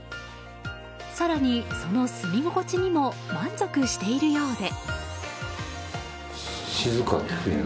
更に、その住み心地にも満足しているようで。